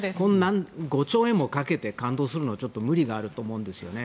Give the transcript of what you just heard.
５兆円もかけて感動するのは無理があると思うんですよね。